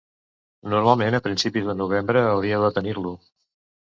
Normalment a principis de novembre hauríeu de tenir-lo.